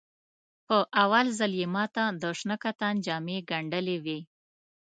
په اول ځل یې ماته د شنه کتان جامې ګنډلې وې.